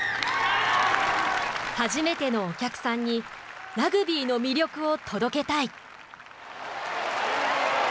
「初めてのお客さんにラグビーの魅力を届けたい」